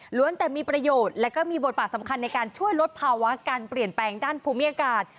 แต่มีประโยชน์และก็มีบทบาทสำคัญในการช่วยลดภาวะการเปลี่ยนแปลงด้านภูมิอากาศ